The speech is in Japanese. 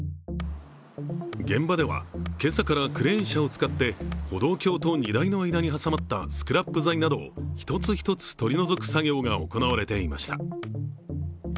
現場では今朝からクレーン車を使って歩道橋と荷台の間に挟まったスクラップ材などを１つ１つ取り除く作業が行われていました。